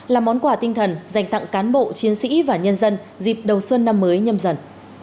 là món quà tinh thần dành tặng cán bộ chiến sĩ và nhân dân dịp đầu xuân năm mới nhâm dần